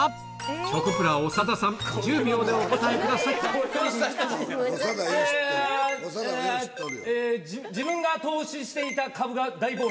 チョコプラ・長田さん１０秒でお答えくださいえええ自分が。